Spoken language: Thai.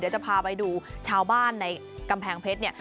จะพาไปดูชาวบ้านในกำแพงเพชรเนี่ย